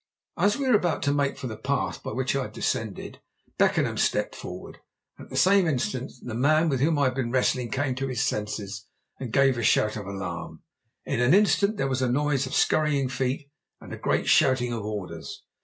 As we were about to make for the path by which I had descended, Beckenham stepped forward, and at the same instant the man with whom I had been wrestling came to his senses and gave a shout of alarm. In an instant there was a noise of scurrying feet and a great shouting of orders.